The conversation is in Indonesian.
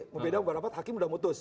membedakan beberapa saat hakim udah mutus